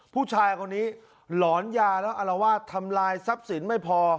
ผู้ชายคนนี้หลอนยาแล้วอารวาสทำลายทรัพย์สินไม่พอ